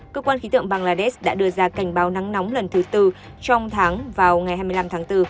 cơ quan khí tượng bangladesh đã đưa ra cảnh báo nắng nóng lần thứ tư trong tháng vào ngày hai mươi năm tháng bốn